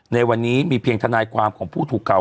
ในวันนี้มีเพียงทนายความของผู้ถูกเก่า